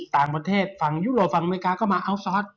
ต่างประเทศฝั่งยุโรปฝั่งอเมริกาก็มาอัลซอส